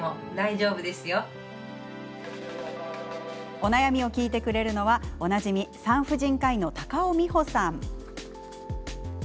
お悩みを聞いてくれるのはおなじみ、産婦人科医の高尾美穂さん。